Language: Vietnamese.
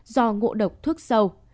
do ngộ độc thuốc sâu